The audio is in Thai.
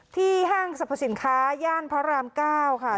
ที่ห้างสรรพสินค้าย่านพระรามเก้าค่ะ